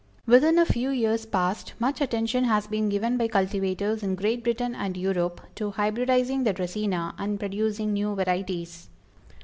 Within a few years past much attention has been given by cultivators in Great Britain and Europe to hybridizing the Dracæna, and producing new varieties.